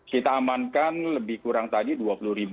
kita amankan lebih kurang tadi dua puluh ribu